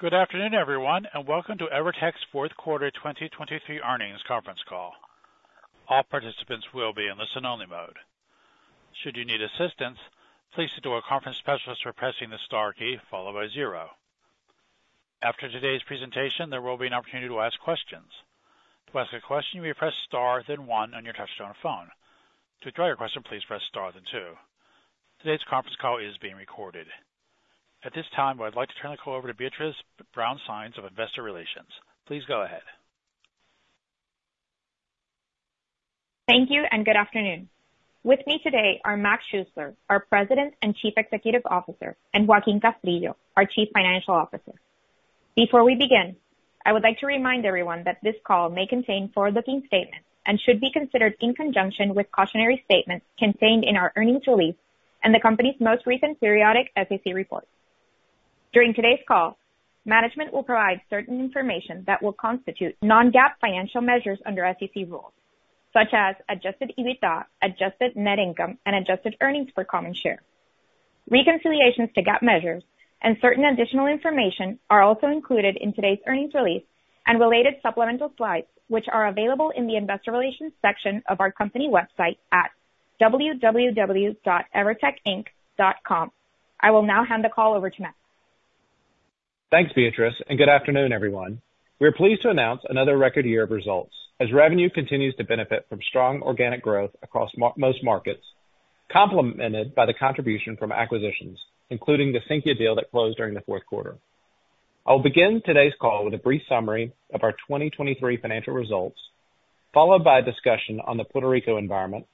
Good afternoon, everyone, and welcome to Evertec's fourth quarter 2023 earnings conference call. All participants will be in listen-only mode. Should you need assistance, please speak to a conference specialist by pressing the star key followed by 0. After today's presentation, there will be an opportunity to ask questions. To ask a question, you may press star, then 1 on your touch-tone phone. To withdraw your question, please press star then two. Today's conference call is being recorded. At this time, I'd like to turn the call over to Beatriz Brown Sáenz of Investor Relations. Please go ahead. Thank you and good afternoon. With me today are Mac Schuessler, our President and Chief Executive Officer, and Joaquín Castrillo, our Chief Financial Officer. Before we begin, I would like to remind everyone that this call may contain forward-looking statements and should be considered in conjunction with cautionary statements contained in our earnings release and the company's most recent periodic SEC report. During today's call, management will provide certain information that will constitute non-GAAP financial measures under SEC rules, such as Adjusted EBITDA, adjusted net income, and adjusted earnings per common share. Reconciliations to GAAP measures and certain additional information are also included in today's earnings release and related supplemental slides, which are available in the Investor Relations section of our company website at www.Evertecinc.com. I will now hand the call over to Mac. Thanks, Beatriz, and good afternoon, everyone. We are pleased to announce another record year of results as revenue continues to benefit from strong organic growth across most markets, complemented by the contribution from acquisitions, including the Sinqia deal that closed during the fourth quarter. I'll begin today's call with a brief summary of our 2023 financial results, followed by a discussion on the Puerto Rico environment,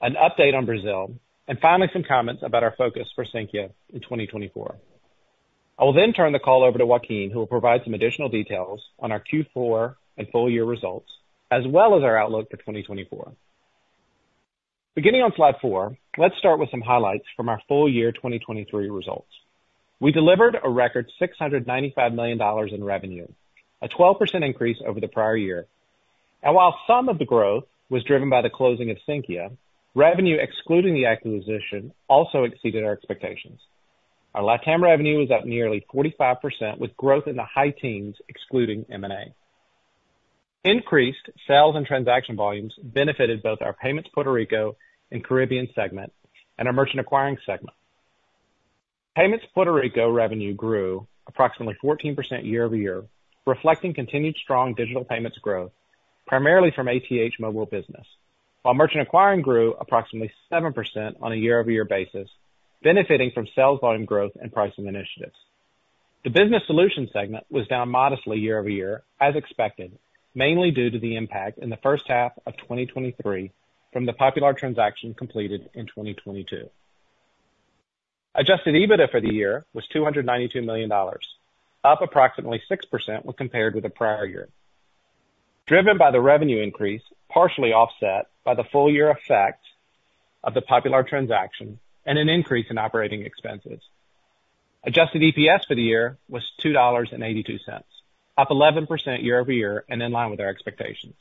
an update on Brazil, and finally, some comments about our focus for Sinqia in 2024. I will then turn the call over to Joaquín, who will provide some additional details on our Q4 and full year results, as well as our outlook for 2024. Beginning on slide 4, let's start with some highlights from our full year 2023 results. We delivered a record $695 million in revenue, a 12% increase over the prior year. And while some of the growth was driven by the closing of Sinqia, revenue excluding the acquisition also exceeded our expectations. Our LatAm revenue was up nearly 45%, with growth in the high teens excluding M&A. Increased sales and transaction volumes benefited both our payments Puerto Rico and Caribbean segment and our merchant acquiring segment. Payments Puerto Rico revenue grew approximately 14% year-over-year, reflecting continued strong digital payments growth, primarily from ATH Móvil business. While merchant acquiring grew approximately 7% on a year-over-year basis, benefiting from sales volume growth and pricing initiatives. The business solutions segment was down modestly year-over-year, as expected, mainly due to the impact in the first half of 2023 from the Popular transaction completed in 2022. Adjusted EBITDA for the year was $292 million, up approximately 6% when compared with the prior year. Driven by the revenue increase, partially offset by the full year effect of the Popular transaction and an increase in operating expenses. Adjusted EPS for the year was $2.82, up 11% year-over-year and in line with our expectations.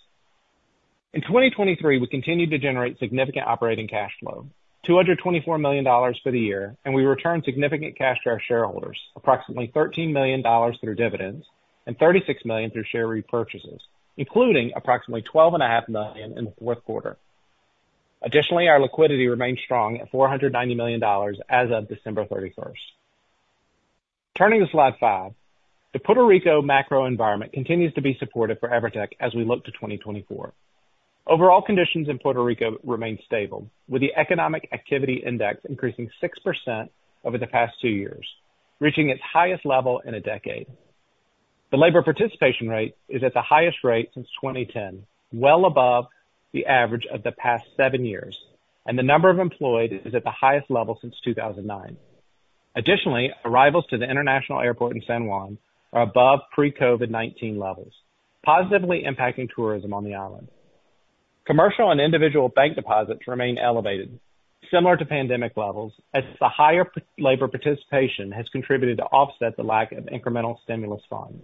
In 2023, we continued to generate significant operating cash flow, $224 million for the year, and we returned significant cash to our shareholders, approximately $13 million through dividends and $36 million through share repurchases, including approximately $12.5 million in the fourth quarter. Additionally, our liquidity remains strong at $490 million as of December 31. Turning to slide five, the Puerto Rico macro environment continues to be supportive for Evertec as we look to 2024. Overall conditions in Puerto Rico remain stable, with the economic activity index increasing 6% over the past two years, reaching its highest level in a decade. The labor participation rate is at the highest rate since 2010, well above the average of the past seven years, and the number of employed is at the highest level since 2009. Additionally, arrivals to the International Airport in San Juan are above pre-COVID-19 levels, positively impacting tourism on the island. Commercial and individual bank deposits remain elevated, similar to pandemic levels, as the higher labor participation has contributed to offset the lack of incremental stimulus funds.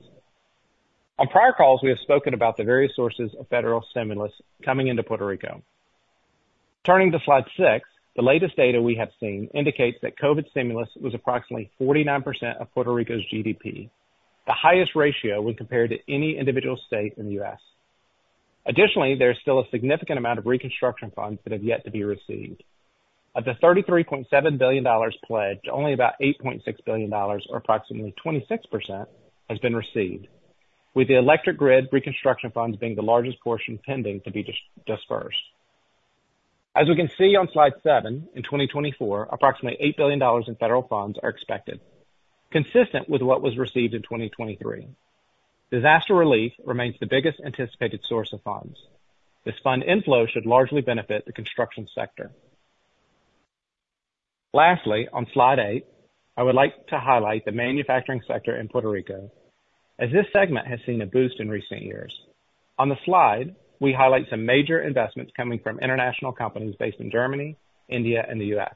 On prior calls, we have spoken about the various sources of federal stimulus coming into Puerto Rico. Turning to slide 6, the latest data we have seen indicates that COVID stimulus was approximately 49% of Puerto Rico's GDP, the highest ratio when compared to any individual state in the U.S. Additionally, there is still a significant amount of reconstruction funds that have yet to be received. Of the $33.7 billion pledged, only about $8.6 billion, or approximately 26%, has been received, with the electric grid reconstruction funds being the largest portion pending to be disbursed. As we can see on slide 7, in 2024, approximately $8 billion in federal funds are expected, consistent with what was received in 2023. Disaster relief remains the biggest anticipated source of funds. This fund inflow should largely benefit the construction sector. Lastly, on slide 8, I would like to highlight the manufacturing sector in Puerto Rico, as this segment has seen a boost in recent years. On the slide, we highlight some major investments coming from international companies based in Germany, India, and the U.S.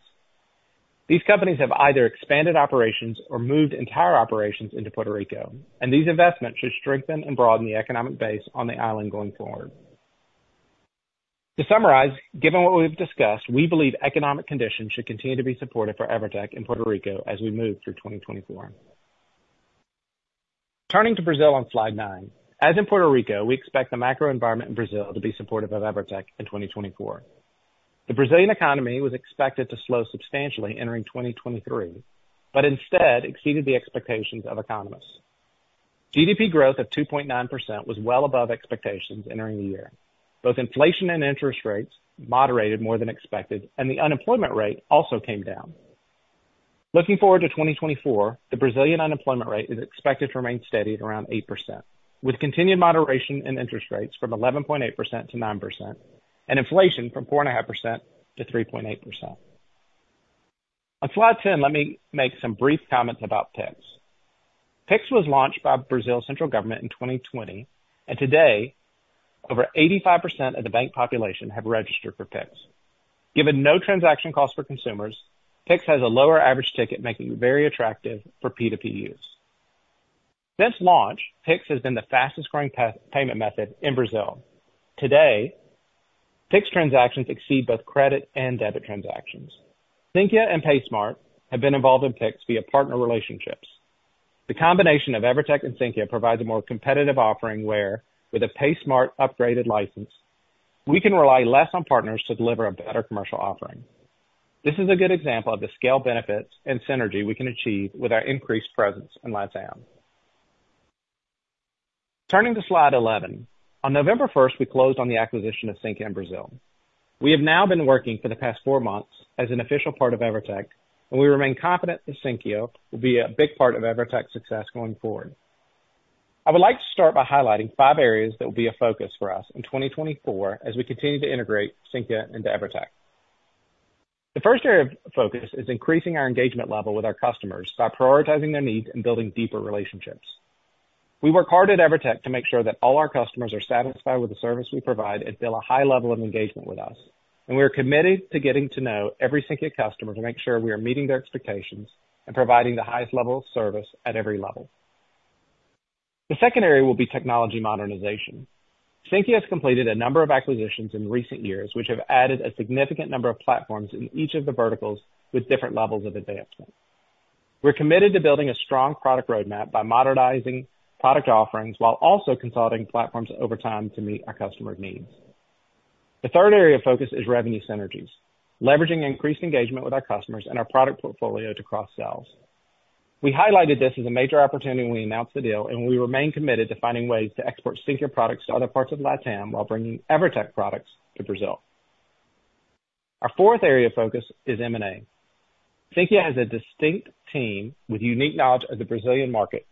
These companies have either expanded operations or moved entire operations into Puerto Rico, and these investments should strengthen and broaden the economic base on the island going forward. To summarize, given what we've discussed, we believe economic conditions should continue to be supportive for Evertec in Puerto Rico as we move through 2024. Turning to Brazil on slide 9. As in Puerto Rico, we expect the macro environment in Brazil to be supportive of Evertec in 2024. The Brazilian economy was expected to slow substantially entering 2023, but instead exceeded the expectations of economists. GDP growth of 2.9% was well above expectations entering the year. Both inflation and interest rates moderated more than expected, and the unemployment rate also came down. Looking forward to 2024, the Brazilian unemployment rate is expected to remain steady at around 8%, with continued moderation in interest rates from 11.8% to 9% and inflation from 4.5% to 3.8%. On slide 10, let me make some brief comments about Pix. Pix was launched by Brazil's central government in 2020, and today, over 85% of the bank population have registered for Pix. Given no transaction costs for consumers, Pix has a lower average ticket, making it very attractive for P2P use. Since launch, Pix has been the fastest growing payment method in Brazil. Today, Pix transactions exceed both credit and debit transactions. Sinqia and PaySmart have been involved in Pix via partner relationships. The combination of Evertec and Sinqia provides a more competitive offering, where with a PaySmart upgraded license, we can rely less on partners to deliver a better commercial offering. This is a good example of the scale, benefits, and synergy we can achieve with our increased presence in LATAM. Turning to slide 11. On November first, we closed on the acquisition of Sinqia in Brazil. We have now been working for the past four months as an official part of Evertec, and we remain confident that Sinqia will be a big part of Evertec's success going forward. I would like to start by highlighting five areas that will be a focus for us in 2024 as we continue to integrate Sinqia into Evertec. The first area of focus is increasing our engagement level with our customers by prioritizing their needs and building deeper relationships. We work hard at Evertec to make sure that all our customers are satisfied with the service we provide and feel a high level of engagement with us, and we are committed to getting to know every Sinqia customer to make sure we are meeting their expectations and providing the highest level of service at every level. The second area will be technology modernization. Sinqia has completed a number of acquisitions in recent years, which have added a significant number of platforms in each of the verticals with different levels of advancement. We're committed to building a strong product roadmap by modernizing product offerings while also consolidating platforms over time to meet our customers' needs. The third area of focus is revenue synergies, leveraging increased engagement with our customers and our product portfolio to cross-sell. We highlighted this as a major opportunity when we announced the deal, and we remain committed to finding ways to export Sinqia products to other parts of LATAM while bringing Evertec products to Brazil. Our fourth area of focus is M&A. Sinqia has a distinct team with unique knowledge of the Brazilian market,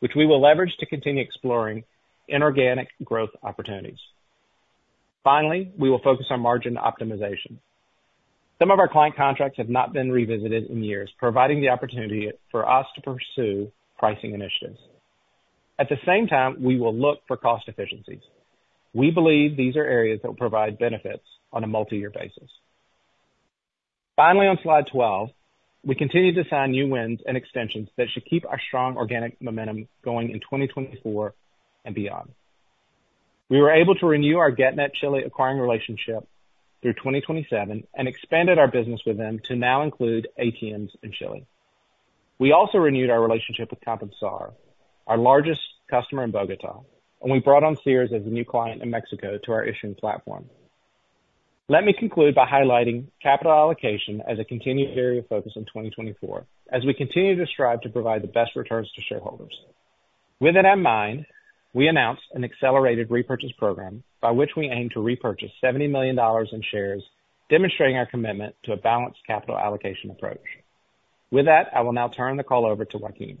which we will leverage to continue exploring inorganic growth opportunities. Finally, we will focus on margin optimization. Some of our client contracts have not been revisited in years, providing the opportunity for us to pursue pricing initiatives. At the same time, we will look for cost efficiencies. We believe these are areas that will provide benefits on a multi-year basis. Finally, on slide 12, we continue to sign new wins and extensions that should keep our strong organic momentum going in 2024 and beyond. We were able to renew our Getnet Chile acquiring relationship through 2027 and expanded our business with them to now include ATMs in Chile. We also renewed our relationship with Compensar, our largest customer in Bogotá, and we brought on Sears as a new client in Mexico to our issuing platform. Let me conclude by highlighting capital allocation as a continued area of focus in 2024, as we continue to strive to provide the best returns to shareholders. With that in mind, we announced an accelerated repurchase program by which we aim to repurchase $70 million in shares, demonstrating our commitment to a balanced capital allocation approach. With that, I will now turn the call over to Joaquín.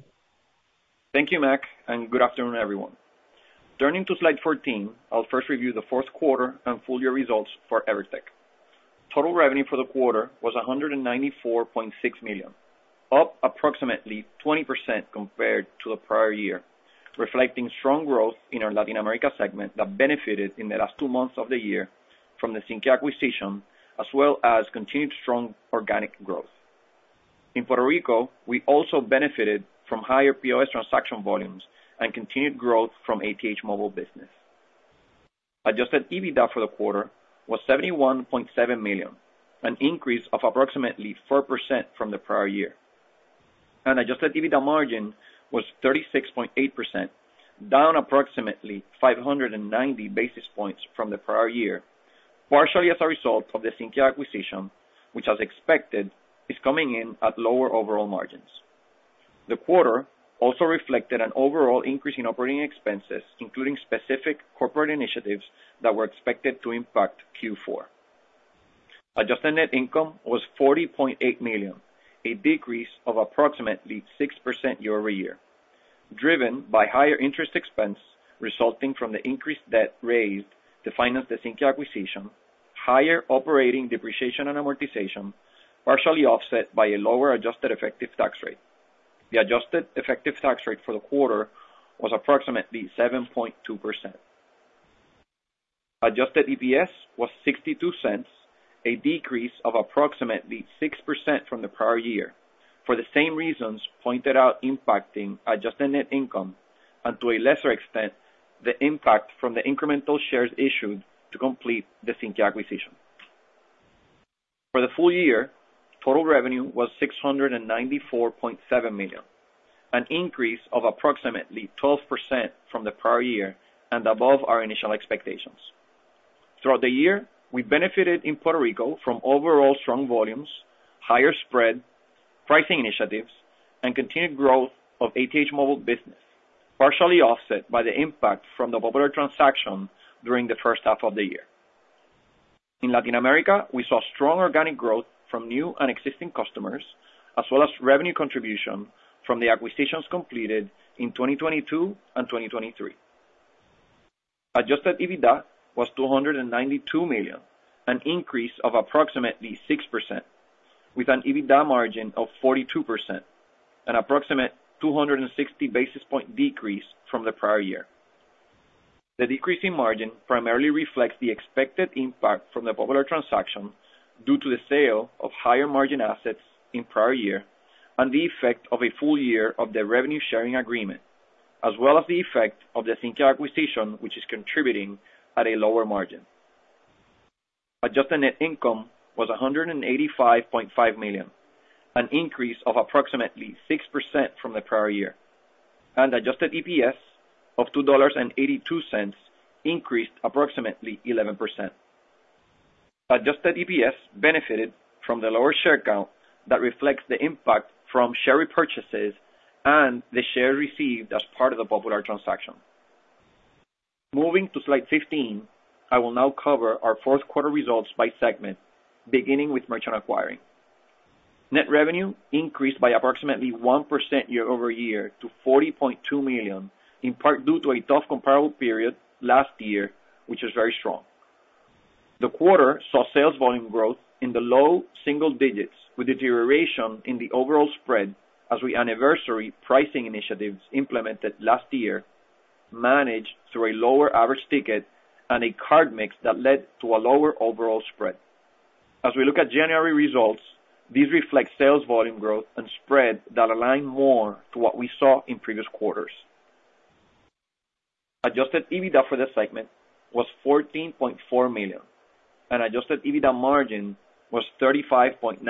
Thank you, Mac, and good afternoon, everyone. Turning to slide 14, I'll first review the fourth quarter and full year results for Evertec. Total revenue for the quarter was $194.6 million, up approximately 20% compared to the prior year, reflecting strong growth in our Latin America segment that benefited in the last two months of the year from the Sinqia acquisition, as well as continued strong organic growth. In Puerto Rico, we also benefited from higher POS transaction volumes and continued growth from ATH Móvil business. Adjusted EBITDA for the quarter was $71.7 million, an increase of approximately 4% from the prior year. Adjusted EBITDA margin was 36.8%, down approximately 590 basis points from the prior year, partially as a result of the Sinqia acquisition, which, as expected, is coming in at lower overall margins. The quarter also reflected an overall increase in operating expenses, including specific corporate initiatives that were expected to impact Q4. Adjusted net income was $40.8 million, a decrease of approximately 6% year-over-year, driven by higher interest expense resulting from the increased debt raised to finance the Sinqia acquisition, higher operating depreciation and amortization, partially offset by a lower adjusted effective tax rate. The adjusted effective tax rate for the quarter was approximately 7.2%. Adjusted EPS was $0.62. A decrease of approximately 6% from the prior year, for the same reasons pointed out impacting adjusted net income, and to a lesser extent, the impact from the incremental shares issued to complete the Sinqia acquisition. For the full year, total revenue was $694.7 million, an increase of approximately 12% from the prior year and above our initial expectations. Throughout the year, we benefited in Puerto Rico from overall strong volumes, higher spread, pricing initiatives, and continued growth of ATH Móvil business, partially offset by the impact from the Popular transaction during the first half of the year. In Latin America, we saw strong organic growth from new and existing customers, as well as revenue contribution from the acquisitions completed in 2022 and 2023. Adjusted EBITDA was $292 million, an increase of approximately 6%, with an EBITDA margin of 42%, an approximate 260 basis point decrease from the prior year. The decrease in margin primarily reflects the expected impact from the Popular transaction, due to the sale of higher margin assets in prior year and the effect of a full year of the revenue sharing agreement, as well as the effect of the Sinqia acquisition, which is contributing at a lower margin. Adjusted net income was $185.5 million, an increase of approximately 6% from the prior year, and adjusted EPS of $2.82 increased approximately 11%. Adjusted EPS benefited from the lower share count that reflects the impact from share repurchases and the share received as part of the Popular transaction. Moving to slide 15, I will now cover our fourth quarter results by segment, beginning with merchant acquiring. Net revenue increased by approximately 1% year-over-year to $40.2 million, in part due to a tough comparable period last year, which was very strong. The quarter saw sales volume growth in the low single digits, with deterioration in the overall spread as we anniversary pricing initiatives implemented last year, managed through a lower average ticket and a card mix that led to a lower overall spread. As we look at January results, these reflect sales volume growth and spread that align more to what we saw in previous quarters. Adjusted EBITDA for this segment was $14.4 million, and adjusted EBITDA margin was 35.9%,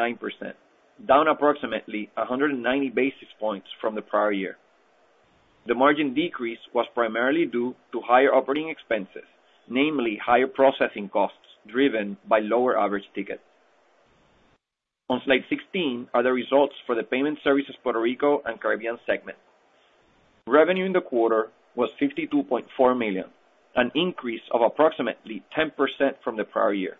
down approximately 190 basis points from the prior year. The margin decrease was primarily due to higher operating expenses, namely higher processing costs driven by lower average ticket. On slide 16 are the results for the Payment Services Puerto Rico and Caribbean segment. Revenue in the quarter was $52.4 million, an increase of approximately 10% from the prior year.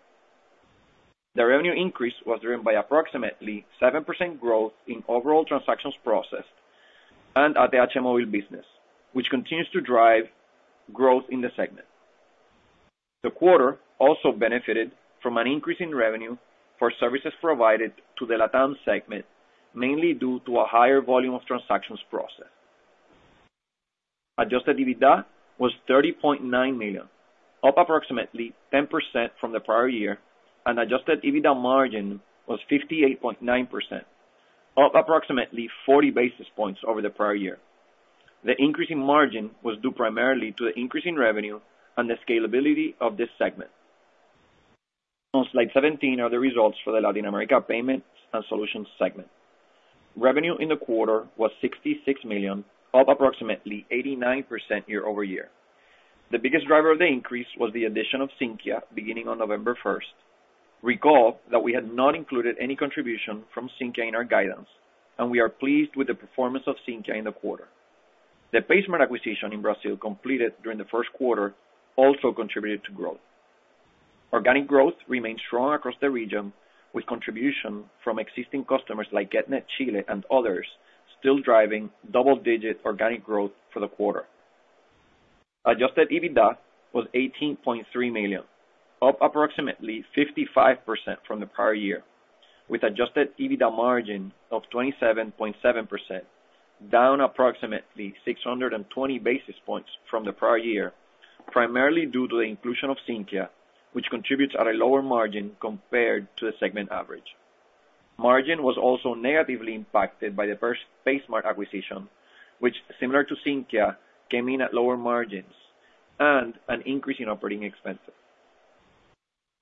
The revenue increase was driven by approximately 7% growth in overall transactions processed and ATH Móvil business, which continues to drive growth in the segment. The quarter also benefited from an increase in revenue for services provided to the LATAM segment, mainly due to a higher volume of transactions processed. Adjusted EBITDA was $30.9 million, up approximately 10% from the prior year, and adjusted EBITDA margin was 58.9%, up approximately 40 basis points over the prior year. The increase in margin was due primarily to the increase in revenue and the scalability of this segment. On slide 17 are the results for the Latin America Payments and Solutions segment. Revenue in the quarter was $66 million, up approximately 89% year-over-year. The biggest driver of the increase was the addition of Sinqia, beginning on November 1. Recall that we had not included any contribution from Sinqia in our guidance, and we are pleased with the performance of Sinqia in the quarter. The PaySmart acquisition in Brazil, completed during the first quarter, also contributed to growth. Organic growth remains strong across the region, with contribution from existing customers like Getnet Chile and others, still driving double-digit organic growth for the quarter. Adjusted EBITDA was $18.3 million, up approximately 55% from the prior year, with adjusted EBITDA margin of 27.7%, down approximately 620 basis points from the prior year, primarily due to the inclusion of Sinqia, which contributes at a lower margin compared to the segment average. Margin was also negatively impacted by the first PaySmart acquisition, which, similar to Sinqia, came in at lower margins and an increase in operating expenses.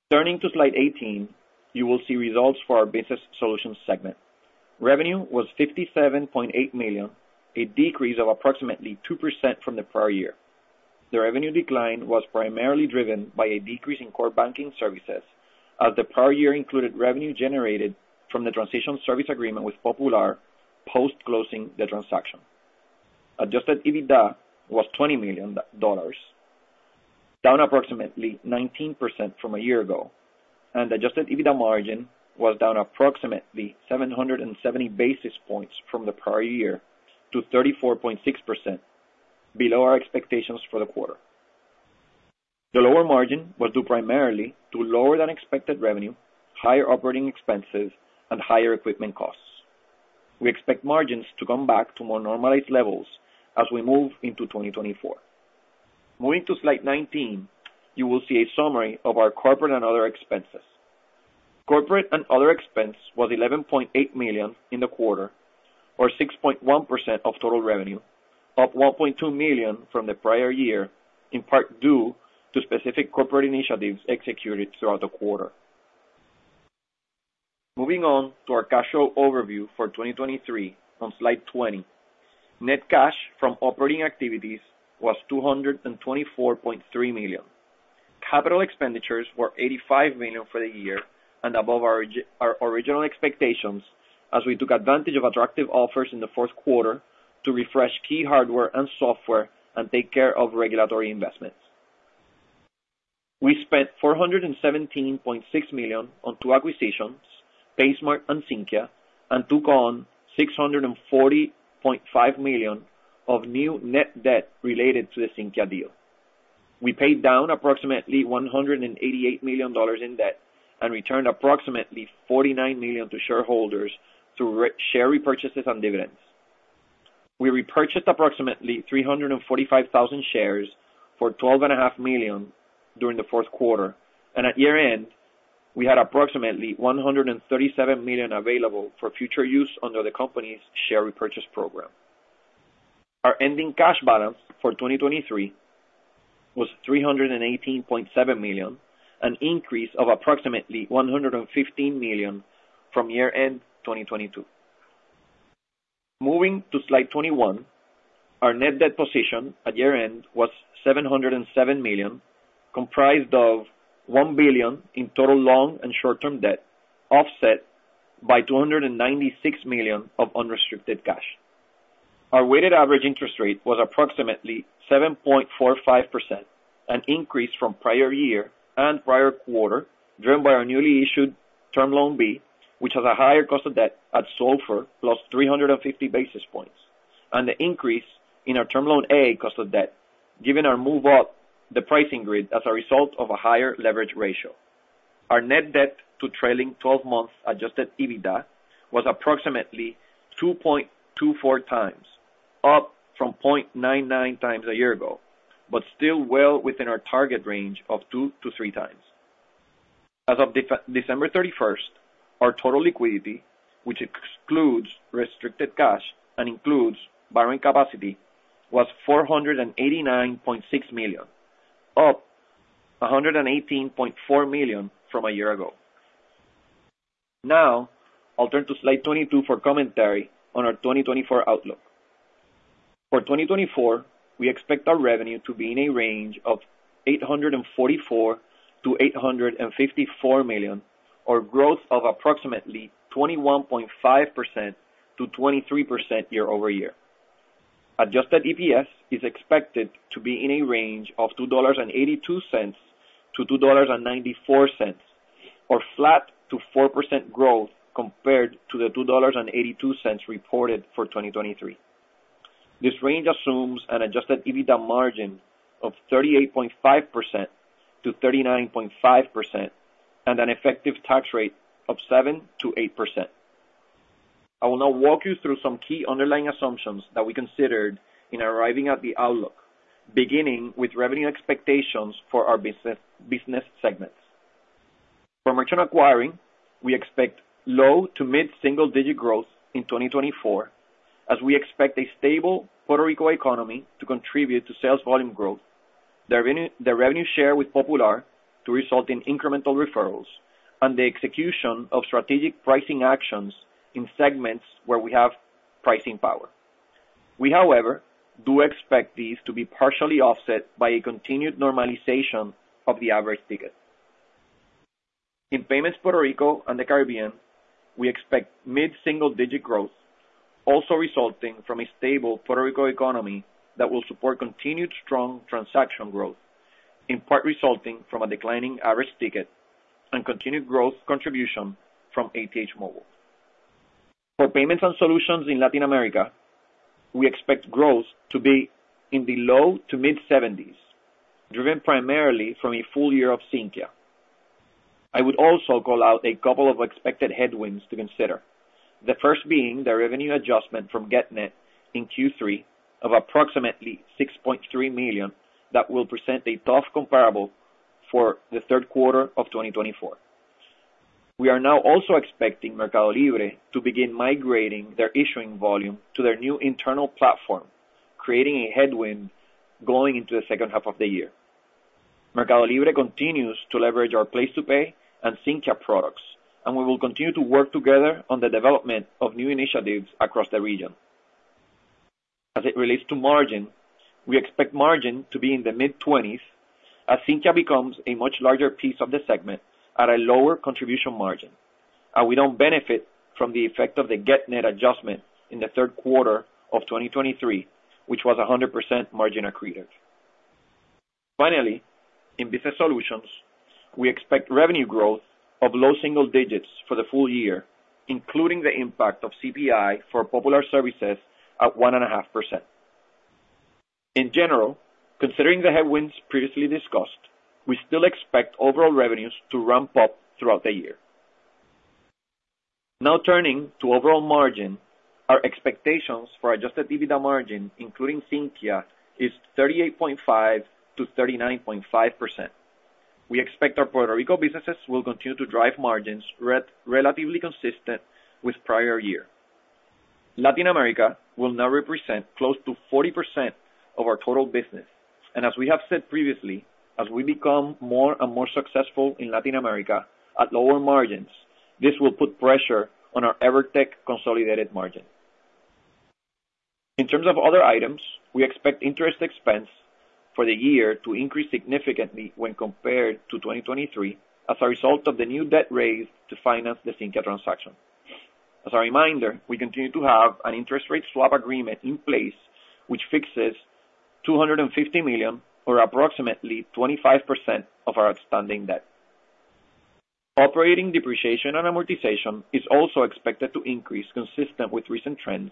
Turning to slide 18, you will see results for our Business Solutions segment. Revenue was $57.8 million, a decrease of approximately 2% from the prior year. The revenue decline was primarily driven by a decrease in core banking services, as the prior year included revenue generated from the transition service agreement with Popular post-closing the transaction. Adjusted EBITDA was $20 million, down approximately 19% from a year ago, and adjusted EBITDA margin was down approximately 770 basis points from the prior year to 34.6%, below our expectations for the quarter. The lower margin was due primarily to lower than expected revenue, higher operating expenses, and higher equipment costs. We expect margins to come back to more normalized levels as we move into 2024.... Moving to slide 19, you will see a summary of our corporate and other expenses. Corporate and other expense was $11.8 million in the quarter, or 6.1% of total revenue, up $1.2 million from the prior year, in part due to specific corporate initiatives executed throughout the quarter. Moving on to our cash flow overview for 2023 on slide 20. Net cash from operating activities was $224.3 million. Capital expenditures were $85 million for the year and above our original expectations, as we took advantage of attractive offers in the fourth quarter to refresh key hardware and software and take care of regulatory investments. We spent $417.6 million on 2 acquisitions, PaySmart and Sinqia, and took on $640.5 million of new net debt related to the Sinqia deal. We paid down approximately $188 million in debt and returned approximately $49 million to shareholders through share repurchases and dividends. We repurchased approximately 345,000 shares for $12.5 million during the fourth quarter, and at year-end, we had approximately $137 million available for future use under the company's share repurchase program. Our ending cash balance for 2023 was $318.7 million, an increase of approximately $115 million from year-end 2022. Moving to slide 21, our net debt position at year-end was $707 million, comprised of $1 billion in total long- and short-term debt, offset by $296 million of unrestricted cash. Our weighted average interest rate was approximately 7.45%, an increase from prior year and prior quarter, driven by our newly issued Term Loan B, which has a higher cost of debt at SOFR plus 350 basis points, and the increase in our Term Loan A cost of debt, given our move up the pricing grid as a result of a higher leverage ratio. Our net debt to trailing twelve months Adjusted EBITDA was approximately 2.24 times, up from 0.99 times a year ago, but still well within our target range of 2-3 times. As of December 31, our total liquidity, which excludes restricted cash and includes borrowing capacity, was $489.6 million, up $118.4 million from a year ago. Now, I'll turn to slide 22 for commentary on our 2024 outlook. For 2024, we expect our revenue to be in a range of $844 million-$854 million, or growth of approximately 21.5%-23% year-over-year. Adjusted EPS is expected to be in a range of $2.82-$2.94, or flat to 4% growth compared to the $2.82 reported for 2023. This range assumes an adjusted EBITDA margin of 38.5%-39.5% and an effective tax rate of 7%-8%. I will now walk you through some key underlying assumptions that we considered in arriving at the outlook, beginning with revenue expectations for our business segments. For Merchant Acquiring, we expect low to mid-single digit growth in 2024, as we expect a stable Puerto Rico economy to contribute to sales volume growth, the revenue share with Popular to result in incremental referrals, and the execution of strategic pricing actions in segments where we have pricing power. We, however, do expect these to be partially offset by a continued normalization of the average ticket. In Payments, Puerto Rico and the Caribbean, we expect mid-single digit growth, also resulting from a stable Puerto Rico economy that will support continued strong transaction growth, in part resulting from a declining average ticket and continued growth contribution from ATH Móvil. For Payments and Solutions in Latin America, we expect growth to be in the low to mid-seventies, driven primarily from a full year of Sinqia. I would also call out a couple of expected headwinds to consider. The first being the revenue adjustment from Getnet in Q3 of approximately $6.3 million that will present a tough comparable for the third quarter of 2024. We are now also expecting Mercado Libre to begin migrating their issuing volume to their new internal platform, creating a headwind going into the second half of the year. Mercado Libre continues to leverage our PlacetoPay and Sinqia products, and we will continue to work together on the development of new initiatives across the region. As it relates to margin, we expect margin to be in the mid-20s as Sinqia becomes a much larger piece of the segment at a lower contribution margin, and we don't benefit from the effect of the Getnet adjustment in the third quarter of 2023, which was a 100% margin accretive. Finally, in Business Solutions, we expect revenue growth of low single digits for the full year, including the impact of CPI for Popular services at 1.5%. In general, considering the headwinds previously discussed, we still expect overall revenues to ramp up throughout the year. Now turning to overall margin. Our expectations for Adjusted EBITDA margin, including Sinqia, is 38.5%-39.5%. We expect our Puerto Rico businesses will continue to drive margins relatively consistent with prior year. Latin America will now represent close to 40% of our total business, and as we have said previously, as we become more and more successful in Latin America at lower margins, this will put pressure on our Evertec consolidated margin. In terms of other items, we expect interest expense for the year to increase significantly when compared to 2023 as a result of the new debt raised to finance the Sinqia transaction. As a reminder, we continue to have an interest rate swap agreement in place, which fixes $250 million or approximately 25% of our outstanding debt. Operating depreciation and amortization is also expected to increase consistent with recent trends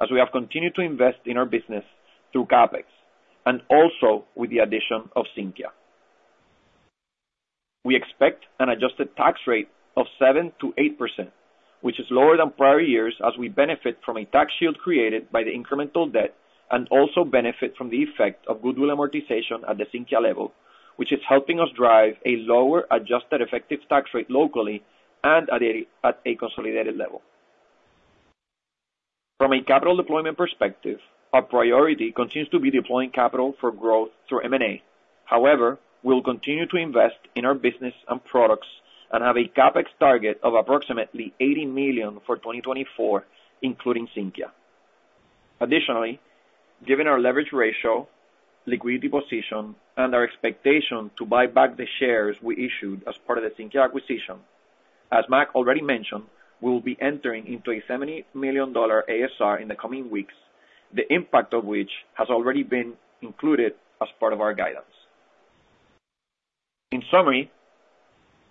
as we have continued to invest in our business through CapEx and also with the addition of Sinqia. We expect an adjusted tax rate of 7%-8%, which is lower than prior years as we benefit from a tax shield created by the incremental debt, and also benefit from the effect of goodwill amortization at the Sinqia level, which is helping us drive a lower adjusted effective tax rate locally and at a consolidated level. From a capital deployment perspective, our priority continues to be deploying capital for growth through M&A. However, we'll continue to invest in our business and products and have a CapEx target of approximately $80 million for 2024, including Sinqia. Additionally, given our leverage ratio, liquidity position, and our expectation to buy back the shares we issued as part of the Sinqia acquisition, as Mac already mentioned, we'll be entering into a $70 million ASR in the coming weeks, the impact of which has already been included as part of our guidance. In summary,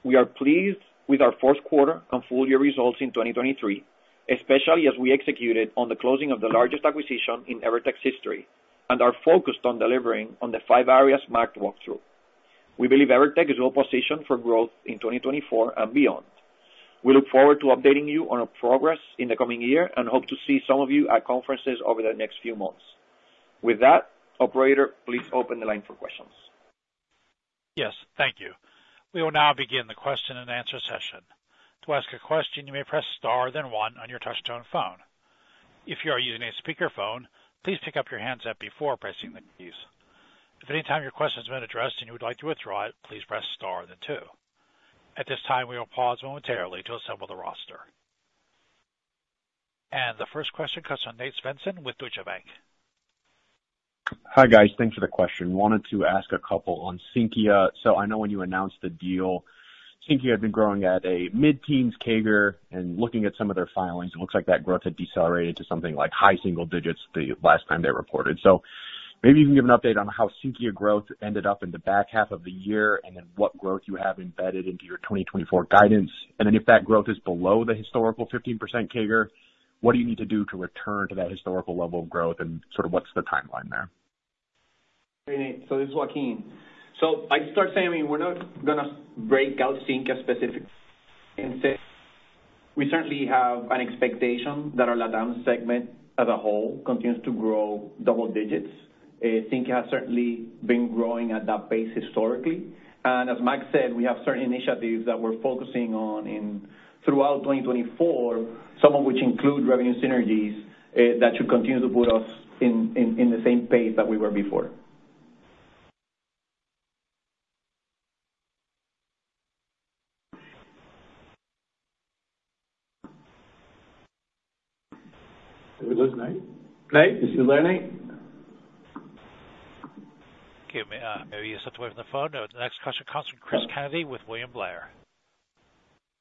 we are pleased with our fourth quarter and full year results in 2023, especially as we executed on the closing of the largest acquisition in Evertec's history, and are focused on delivering on the five areas Mac walked through. We believe Evertec is well positioned for growth in 2024 and beyond. We look forward to updating you on our progress in the coming year and hope to see some of you at conferences over the next few months. With that, operator, please open the line for questions. Yes, thank you. We will now begin the question and answer session. To ask a question, you may press star, then one on your touchtone phone. If you are using a speakerphone, please pick up your handset before pressing the keys. If at any time your question has been addressed and you would like to withdraw it, please press star then two. At this time, we will pause momentarily to assemble the roster. The first question comes from Nate Svensson with Deutsche Bank. Hi, guys. Thanks for the question. Wanted to ask a couple on Sinqia. So I know when you announced the deal, Sinqia had been growing at a mid-teens CAGR, and looking at some of their filings, it looks like that growth had decelerated to something like high single digits the last time they reported. So maybe you can give an update on how Sinqia growth ended up in the back half of the year, and then what growth you have embedded into your 2024 guidance. And then if that growth is below the historical 15% CAGR, what do you need to do to return to that historical level of growth? And sort of what's the timeline there? Hey, Nate. So this is Joaquin. So I'd start saying, we're not gonna break out Sinqia specific. We certainly have an expectation that our LatAm segment as a whole continues to grow double digits. Sinqia has certainly been growing at that pace historically. And as Mac said, we have certain initiatives that we're focusing on in throughout 2024, some of which include revenue synergies that should continue to put us in the same pace that we were before. Did we lose Nate? Nate, you still there, Nate? Okay, maybe you stepped away from the phone. The next question comes from Cris Kennedy with William Blair.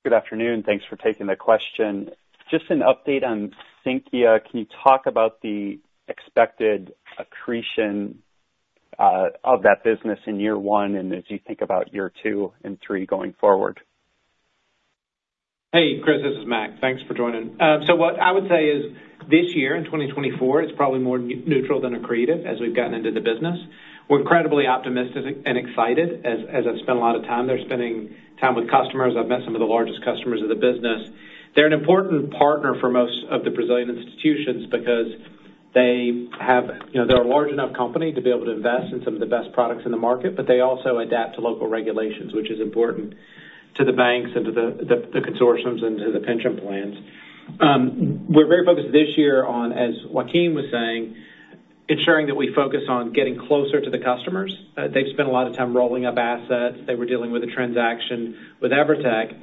Good afternoon. Thanks for taking the question. Just an update on Sinqia. Can you talk about the expected accretion of that business in year one, and as you think about year two and three going forward? Hey, Chris, this is Mac. Thanks for joining. So what I would say is this year, in 2024, it's probably more neutral than accretive as we've gotten into the business. We're incredibly optimistic and excited as I've spent a lot of time there, spending time with customers. I've met some of the largest customers of the business. They're an important partner for most of the Brazilian institutions because they have... You know, they're a large enough company to be able to invest in some of the best products in the market, but they also adapt to local regulations, which is important to the banks and to the consortiums and to the pension plans. We're very focused this year on, as Joaquin was saying, ensuring that we focus on getting closer to the customers. They've spent a lot of time rolling up assets. They were dealing with a transaction with Evertec.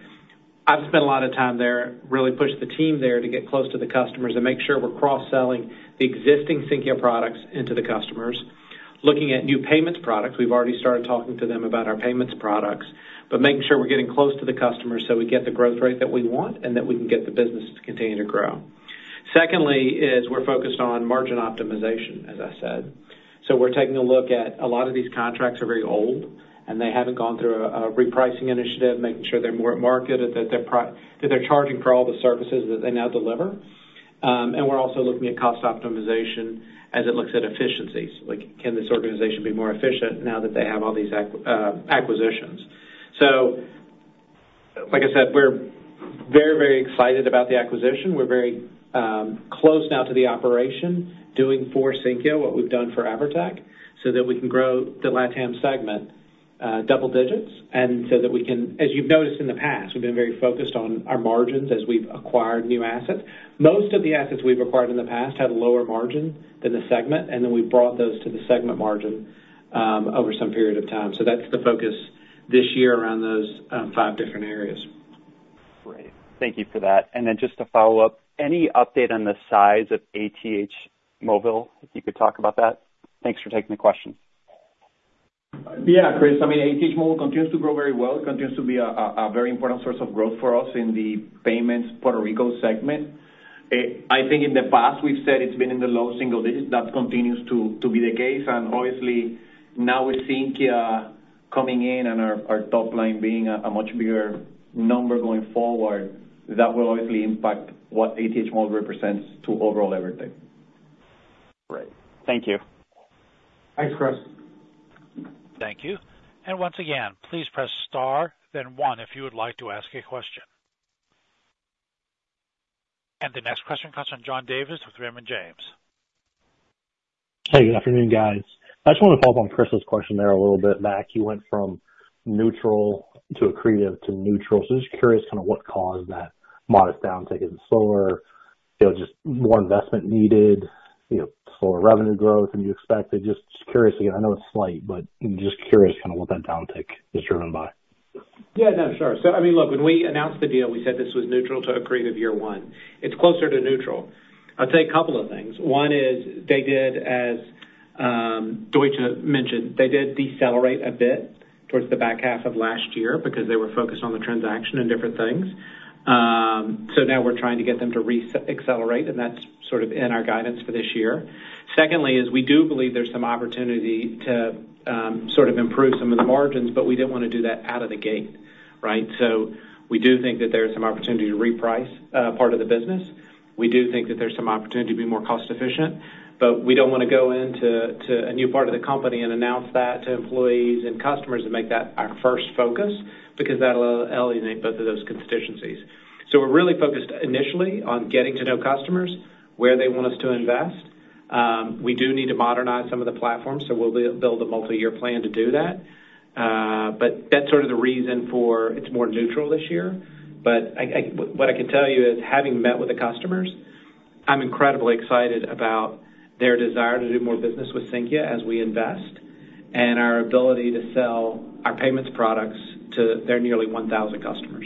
I've spent a lot of time there, really pushed the team there to get close to the customers and make sure we're cross-selling the existing Sinqia products into the customers. Looking at new payments products, we've already started talking to them about our payments products, but making sure we're getting close to the customers so we get the growth rate that we want and that we can get the business to continue to grow. Secondly is we're focused on margin optimization, as I said. So we're taking a look at a lot of these contracts are very old, and they haven't gone through a repricing initiative, making sure they're more at market and that they're charging for all the services that they now deliver. And we're also looking at cost optimization as it looks at efficiencies, like, can this organization be more efficient now that they have all these acquisitions? So like I said, we're very, very excited about the acquisition. We're very close now to the operation, doing for Sinqia what we've done for Evertec, so that we can grow the LatAm segment double digits, and so that we can. As you've noticed in the past, we've been very focused on our margins as we've acquired new assets. Most of the assets we've acquired in the past had lower margin than the segment, and then we brought those to the segment margin over some period of time. So that's the focus this year around those five different areas. Great. Thank you for that. And then just to follow up, any update on the size of ATH Móvil, if you could talk about that? Thanks for taking the question. Yeah, Chris, I mean, ATH Móvil continues to grow very well, continues to be a very important source of growth for us in the payments Puerto Rico segment. I think in the past we've said it's been in the low single digits. That continues to be the case, and obviously, now with Sinqia coming in and our top line being a much bigger number going forward, that will obviously impact what ATH Móvil represents to overall everything. Great. Thank you. Thanks, Chris. Thank you. And once again, please press star, then one, if you would like to ask a question. And the next question comes from John Davis with Raymond James. Hey, good afternoon, guys. I just want to follow up on Chris's question there a little bit, Mac. You went from neutral to accretive to neutral. So just curious kind of what caused that modest downtick in the slower, you know, just more investment needed, you know, slower revenue growth than you expected? Just curious. Again, I know it's slight, but I'm just curious kind of what that downtick is driven by? Yeah, no, sure. So I mean, look, when we announced the deal, we said this was neutral to accretive year one. It's closer to neutral. I'd say a couple of things. One is, they did as, Deutsche mentioned, they did decelerate a bit towards the back half of last year because they were focused on the transaction and different things. So now we're trying to get them to re-accelerate, and that's sort of in our guidance for this year. Secondly, is we do believe there's some opportunity to sort of improve some of the margins, but we didn't want to do that out of the gate, right? So we do think that there's some opportunity to reprice part of the business. We do think that there's some opportunity to be more cost efficient, but we don't wanna go into a new part of the company and announce that to employees and customers and make that our first focus, because that'll alienate both of those constituencies. So we're really focused initially on getting to know customers, where they want us to invest. We do need to modernize some of the platforms, so we'll build a multi-year plan to do that. But that's sort of the reason for it's more neutral this year. But what I can tell you is, having met with the customers, I'm incredibly excited about their desire to do more business with Sinqia as we invest, and our ability to sell our payments products to their nearly 1,000 customers.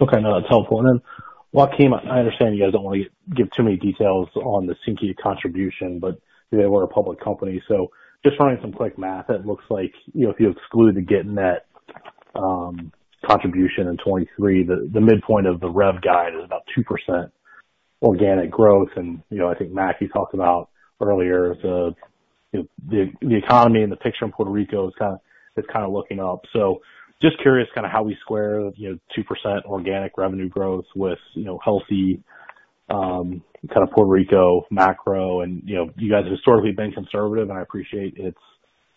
Okay, no, that's helpful. And then, Joaquin, I understand you guys don't want to give too many details on the Sinqia contribution, but they were a public company, so just running some quick math, it looks like, you know, if you exclude the Getnet contribution in 2023, the midpoint of the rev guide is about 2% organic growth. And, you know, I think, Mac, you talked about earlier, you know, the economy and the picture in Puerto Rico is kind of, it's kind of looking up. So just curious, kind of how we square, you know, 2% organic revenue growth with, you know, healthy, kind of Puerto Rico macro. You know, you guys have historically been conservative, and I appreciate it's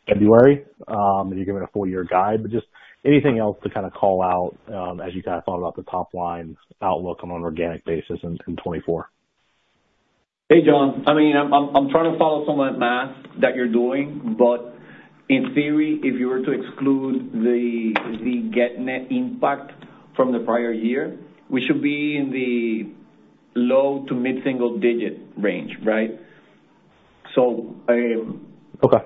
February, and you've given a full year guide, but just anything else to kind of call out, as you kind of thought about the top line outlook on an organic basis in 2024? Hey, John. I mean, I'm trying to follow some of that math that you're doing, but in theory, if you were to exclude the Getnet impact from the prior year, we should be in the low to mid-single digit range, right? So, Okay.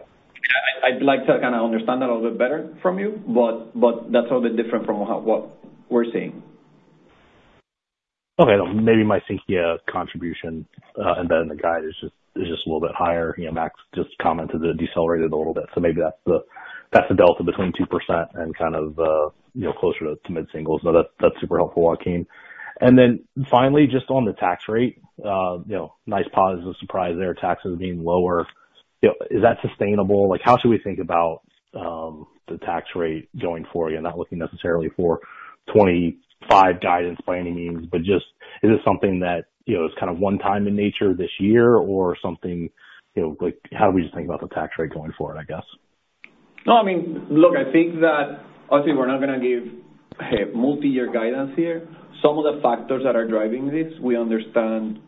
I'd like to kind of understand that a little bit better from you, but, but that's a little bit different from what, what we're seeing. Okay. Maybe my Sinqia contribution embedded in the guide is just a little bit higher. You know, Mac just commented it decelerated a little bit, so maybe that's the delta between 2% and kind of, you know, closer to mid-singles. No, that's super helpful, Joaquín. And then finally, just on the tax rate, you know, nice positive surprise there, taxes being lower. You know, is that sustainable? Like, how should we think about the tax rate going forward? I'm not looking necessarily for 25% guidance by any means, but just is it something that, you know, is kind of one time in nature this year or something, you know, like, how do we just think about the tax rate going forward, I guess? No, I mean, look, I think that, obviously, we're not gonna give a multi-year guidance here. Some of the factors that are driving this, we understand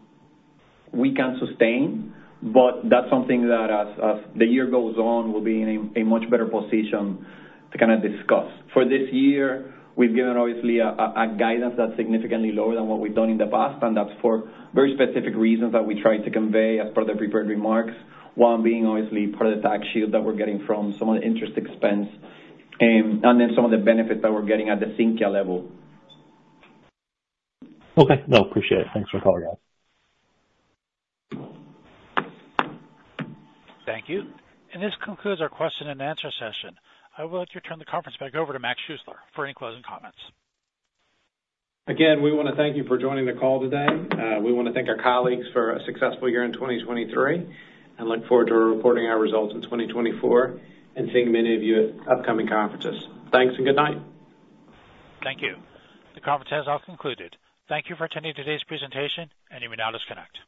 we can sustain, but that's something that as the year goes on, we'll be in a much better position to kind of discuss. For this year, we've given obviously a guidance that's significantly lower than what we've done in the past, and that's for very specific reasons that we tried to convey as per the prepared remarks, one being obviously part of the tax shield that we're getting from some of the interest expense, and then some of the benefits that we're getting at the Sinqia level. Okay. No, appreciate it. Thanks for calling, guys. Thank you. This concludes our question and answer session. I would like to turn the conference back over to Mac Schuessler for any closing comments. Again, we want to thank you for joining the call today. We want to thank our colleagues for a successful year in 2023, and look forward to reporting our results in 2024 and seeing many of you at upcoming conferences. Thanks and good night. Thank you. The conference has now concluded. Thank you for attending today's presentation, and you may now disconnect.